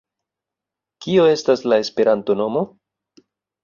- Kio estas la Esperanto-nomo?